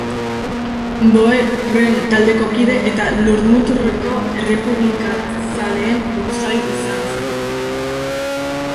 Boerren taldeko kide, eta Lurmuturreko errepublikazaleen buruzagi izan zen.